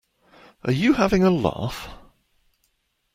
Are you having a laugh?